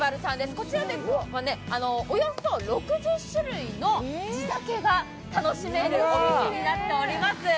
こちらはおよそ６０種類の地酒が楽しめるお店になっております。